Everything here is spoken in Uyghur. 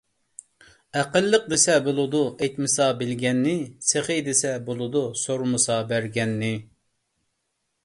ئەقىللىق دېسە بولىدۇ، ئېيتمىسا بىلگەننى؛ سېخىي دېسە بولىدۇ، سورىمىسا بەرگەننى.